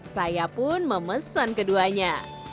saya pun memesan keduanya